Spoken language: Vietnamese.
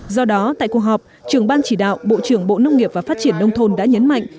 do đó tại cuộc họp trưởng ban chỉ đạo bộ trưởng bộ nông nghiệp và phát triển nông thôn đã nhấn mạnh